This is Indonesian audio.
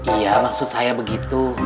iya maksud saya begitu